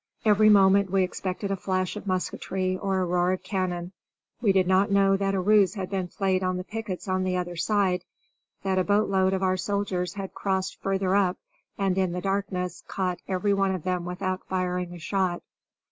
Every moment we expected a flash of musketry or a roar of cannon. We did not know that a ruse had been played on the pickets on the other side; that a boatload of our soldiers had crossed farther up and in the darkness caught every one of them without firing a shot.